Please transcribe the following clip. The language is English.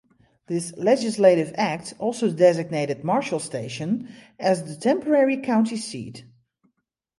This legislative act also designated Marshall Station as the temporary county seat.